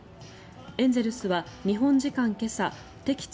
エンゼルスは日本時間今朝敵地